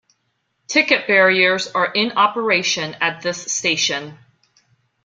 Ticket barriers are in operation at this station.